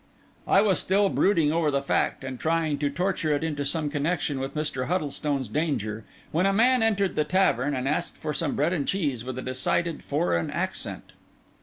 I was still brooding over the fact, and trying to torture it into some connection with Mr. Huddlestone's danger, when a man entered the tavern and asked for some bread and cheese with a decided foreign accent.